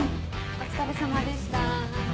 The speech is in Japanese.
・お疲れさまです。